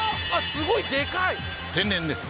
すごいでかい天然です